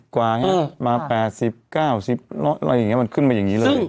กว่ามา๘๐๙๐อะไรอย่างนี้มันขึ้นมาอย่างนี้เลย